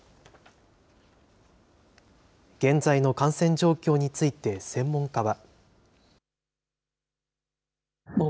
現在の感染状況について、専門家は。